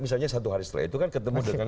misalnya satu hari setelah itu kan ketemu dengan